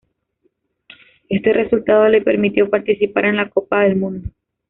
Este resultado le permitió participar en la Copa del Mundo.